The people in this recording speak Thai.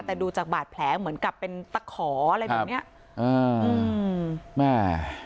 แต่ดูจากบาดแผลเหมือนกับเป็นตะขออะไรแบบเนี่ย